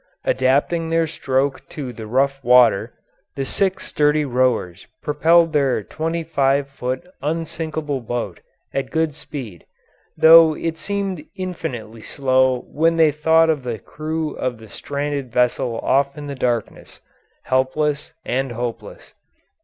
Adapting their stroke to the rough water, the six sturdy rowers propelled their twenty five foot unsinkable boat at good speed, though it seemed infinitely slow when they thought of the crew of the stranded vessel off in the darkness, helpless and hopeless.